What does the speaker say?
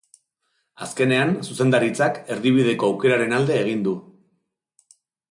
Azkenean, zuzendaritzak erdibideko aukeraren alde egin du.